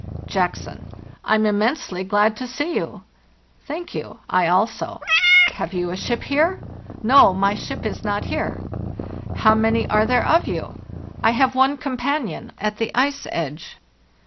" Jackson: 'I'm immensely glad to see you.' "«Thank you; I also.' "* Have you a ship here ?'"* No; my ship is not here." "* How many are there of you?' "*T have one companion at the ice edge.